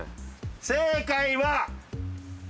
正解は。